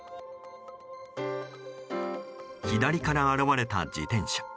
左から現れた自転車。